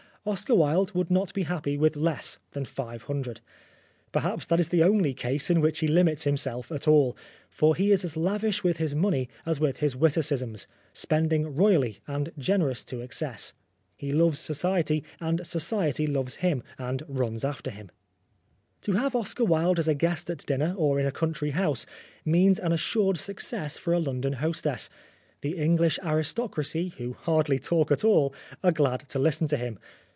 Oscar Wilde would not be happy with less than .five hundred. Perhaps that is the only case in which he limits himself at all, for he is as lavish with his money as with his witticisms, spending royally, and generous to excess. He loves Society, and Society loves him, and runs after him. 269 Oscar Wilde To have Oscar Wilde as a guest at dinner or in a country house means an assured success for a London hostess. The English aristocracy, who hardly talk at all, are glad to listen to him.